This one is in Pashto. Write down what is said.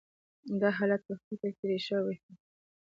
دا حالت په فکر کې رېښه وهي.